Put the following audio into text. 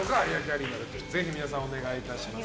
ぜひ皆さん、お願いいたします。